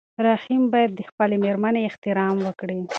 رحیم باید د خپلې مېرمنې احترام وکړي.